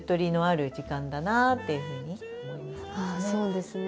そうですね。